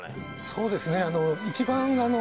そうですね